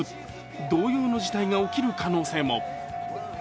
同様の事態が起きる可能性も。